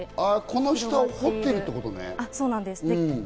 この下を彫ってるってことね？